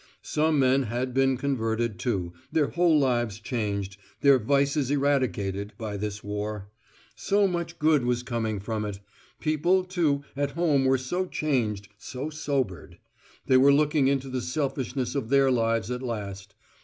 Some men had been converted, too, their whole lives changed, their vices eradicated, by this war. So much good was coming from it. People, too, at home were so changed, so sobered; they were looking into the selfishness of their lives at last.